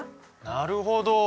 なるほど。